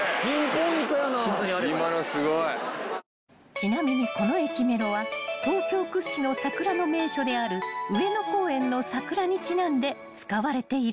［ちなみにこの駅メロは東京屈指の桜の名所である上野公園の桜にちなんで使われているんです］